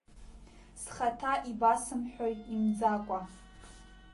Схаҭа ибасымҳәои имӡакәа.